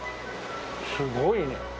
すごいね。